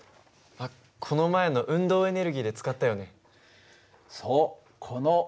そうこの運動エネルギーで使った銃。